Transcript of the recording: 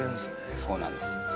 そうなんです。